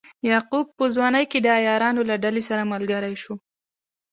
یعقوب په ځوانۍ کې د عیارانو له ډلې سره ملګری شو.